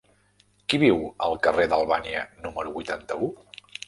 Qui viu al carrer d'Albània número vuitanta-u?